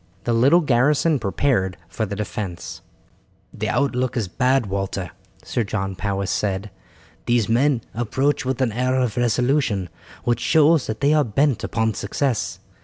The little garrison prepared for the defence. "The outlook is bad, Walter," Sir John Powis said. "These men approach with an air of resolution which shows that they are bent upon success.